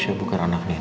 jika program indonesia